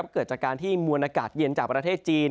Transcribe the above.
เกิดจากการที่มวลอากาศเย็นจากประเทศจีน